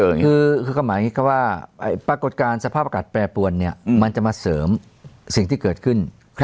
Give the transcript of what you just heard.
นี่คือว่าปรากฏการณ์สภาพอากาศแปรปวลเนี่ยมันจะมาเสริมสิ่งที่เกิดขึ้น